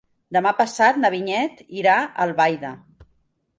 Demà passat na Vinyet irà a Albaida.